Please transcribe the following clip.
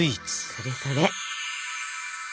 それそれ！